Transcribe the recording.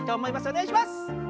おねがいします！